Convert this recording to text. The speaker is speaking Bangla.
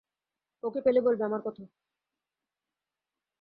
ওকে পেলে বলবে আমার কথা।